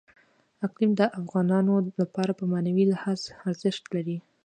اقلیم د افغانانو لپاره په معنوي لحاظ ارزښت لري.